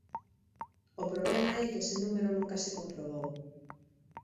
O problema é que ese número nunca se comprobou.